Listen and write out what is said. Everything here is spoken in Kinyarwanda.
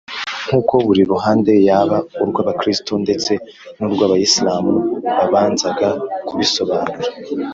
nkuko buri ruhande yaba urw’abakristo ndetse n’urw’abayisilamu babanzaga kubisobanura